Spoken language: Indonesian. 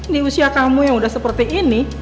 di usia kamu yang udah seperti ini